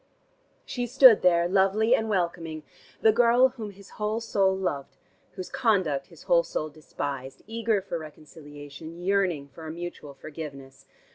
She stood there, lovely and welcoming, the girl whom his whole soul loved, whose conduct his whole soul despised, eager for reconciliation, yearning for a mutual forgiveness.